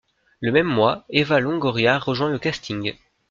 Le même mois, Eva Longoria rejoint le casting.